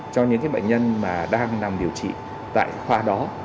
cho những bệnh nhân mà đang nằm điều trị tại khoa đó